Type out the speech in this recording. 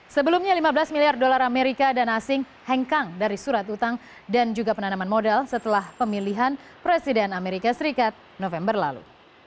sebelumnya lima belas miliar dolar amerika dan asing hengkang dari surat utang dan juga penanaman modal setelah pemilihan presiden amerika serikat november lalu